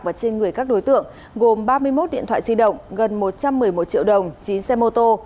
và trên người các đối tượng gồm ba mươi một điện thoại di động gần một trăm một mươi một triệu đồng chín xe mô tô